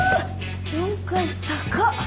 ４階高っ！